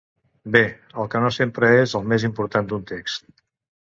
Bé, el què no sempre és el més important d'un text.